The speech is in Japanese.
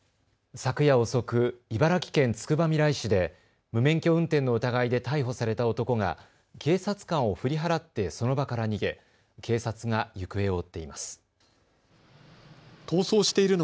昨夜遅く、茨城県つくばみらい市で無免許運転の疑いで逮捕された男が警察官を振り払ってその場から逃げ警察が行方を追っています。